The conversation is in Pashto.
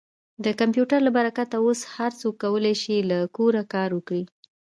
د کمپیوټر له برکته اوس هر څوک کولی شي له کوره کار وکړي.